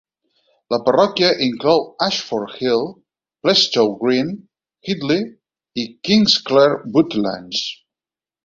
La parròquia inclou Ashford Hill, Plastow Green, Headley i Kingsclere Woodlands.